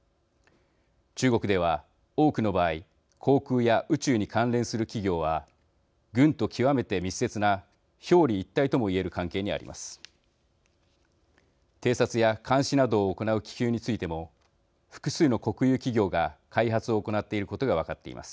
中国では多くの場合航空や宇宙に関連する企業は軍と極めて密接な表裏一体とも言える関係にあります。